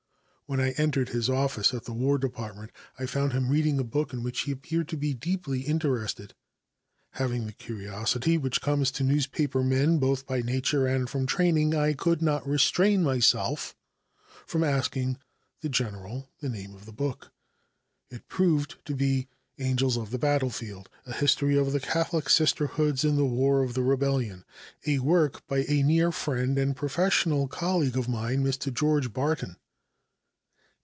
When I entered his office, at the War Department, I found him reading a book in which he appeared to be deeply interested. Having the curiosity which comes to newspaper men, both by nature and from training, I could not restrain myself from asking the General the name of the book. It proved to be "Angels of the Battlefield: A History of the Catholic Sisterhoods in the War of the Rebellion," a work by a near friend and professional colleague of mine, Mr. George Barton.